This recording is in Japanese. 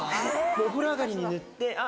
お風呂上がりに塗ってあ